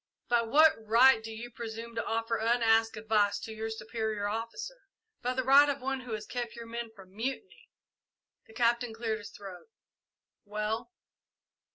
"By what right do you presume to offer unasked advice to your superior officer?" "By the right of one who has kept your men from mutiny!" The Captain cleared his throat. "Well?"